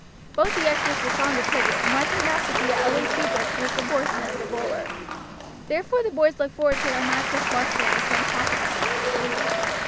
Both the ushers were fond of cricket, and one turned out to be at least equal to Mr. Porson as a bowler. Therefore the boys looked forward to their match with Marsden with some confidence.